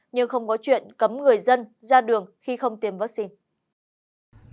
nhưng không có chuyện cấm người dân ra đường khi không tiêm vaccine